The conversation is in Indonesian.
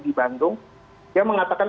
di bandung dia mengatakan